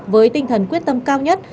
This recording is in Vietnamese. với tinh thần quyết tâm cao nhất